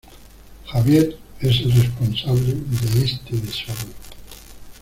¡Javier es el responsable de este desorden!